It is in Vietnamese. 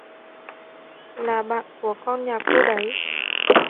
Là bạn của con nhà cô đấy